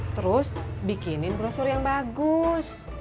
terus bikinin brosur yang bagus